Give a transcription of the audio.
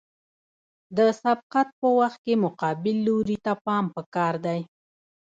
د سبقت په وخت کې مقابل لوري ته پام پکار دی